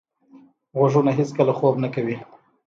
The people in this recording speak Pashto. غوږونه هیڅکله خوب نه کوي.